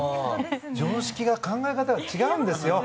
常識が考え方が違うんですよ。